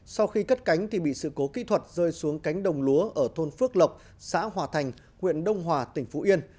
sau khi cất cánh thì bị sự cố kỹ thuật rơi xuống cánh đồng lúa ở thôn phước lộc xã hòa thành huyện đông hòa tỉnh phú yên